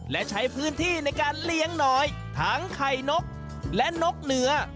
และใช้พื้นที่ในการเลี้ยงน้อยทั้งไข่นกและนกเหนือ